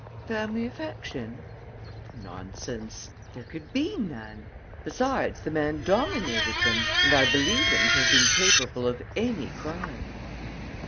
"Family affection?" "Nonsense! There could be none. Besides the man dominated them; and I believe him to have been capable of any crime."